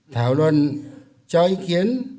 thảo luận cho ý kiến